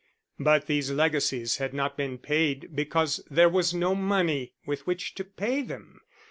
But these legacies had not been paid because there was no money with which to pay them.